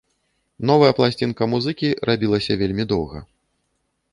Новая пласцінка музыкі рабілася вельмі доўга.